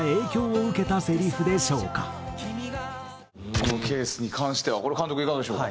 このケースに関してはこれ監督いかがでしょうか？